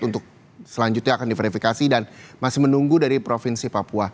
untuk selanjutnya akan diverifikasi dan masih menunggu dari provinsi papua